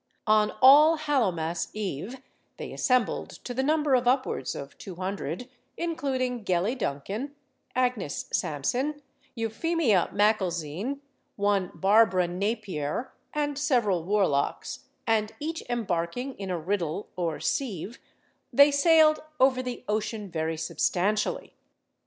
On All Hallowmas Eve, they assembled to the number of upwards of two hundred, including Gellie Duncan, Agnes Sampson, Euphemia Macalzean, one Barbara Napier, and several warlocks; and each embarking in a riddle or sieve, they sailed "over the ocean very substantially."